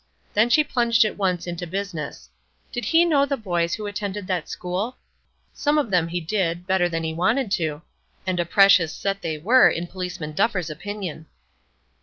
Then she plunged at once into business. Did he know the boys who attended that school? Some of them he did, better than he wanted to; and a precious set they were, in Policeman Duffer's opinion.